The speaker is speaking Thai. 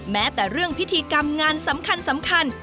แม้แต่เรื่องพิธีกรรมงานสำคัญ